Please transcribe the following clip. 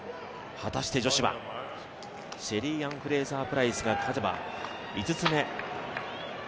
果たして女子はシェリーアン・フレイザー・プライスが勝てば、５つ目。